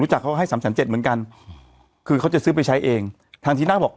จากเขาให้สามแสนเจ็ดเหมือนกันคือเขาจะซื้อไปใช้เองทางทีนั่งบอก